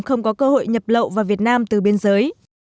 không có cơ hội nhập lậu vào việt nam từ biên giới